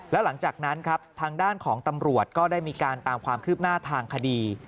แล้วหลังจากนั้นครับทางด้านของตำรวจก็ได้มีการตามความคืบหน้าทางคดี